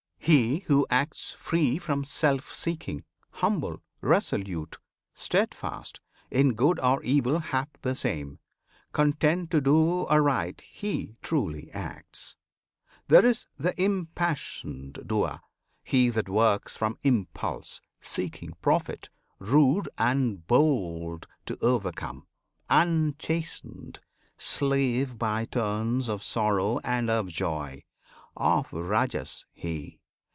He who acts Free from self seeking, humble, resolute, Steadfast, in good or evil hap the same, Content to do aright he "truly" acts. There is th' "impassioned" doer. He that works From impulse, seeking profit, rude and bold To overcome, unchastened; slave by turns Of sorrow and of joy: of Rajas he!